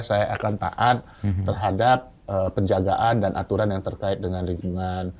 saya akan taat terhadap penjagaan dan aturan yang terkait dengan lingkungan